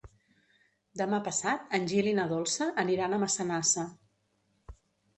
Demà passat en Gil i na Dolça aniran a Massanassa.